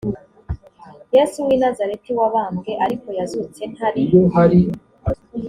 yesu w i nazareti wabambwe ariko yazutse ntari